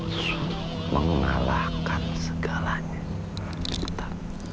nafsu mengalahkan segalanya